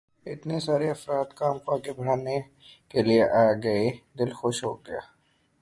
اتنے سارے افراد کام کو آگے بڑھانے کے لیے آ گئے، دل خوش ہو گیا۔